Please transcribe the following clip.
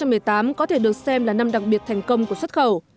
năm hai nghìn một mươi tám có thể được xem là năm đặc biệt thành công của xuất khẩu